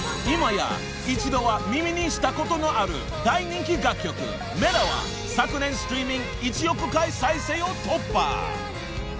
［今や一度は耳にしたことのある大人気楽曲『Ｍｅｌａ！』は昨年ストリーミング１億回再生を突破］